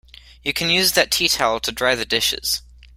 You can use that tea towel to dry the dishes